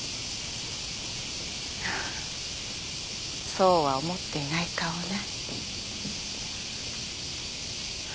そうは思っていない顔ね。